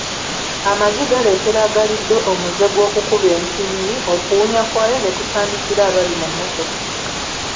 Amagi galeetera agalidde omuze gw’okukuba empiiyi, okuwunya kwayo ne kusaanikira abali mu mmotoka.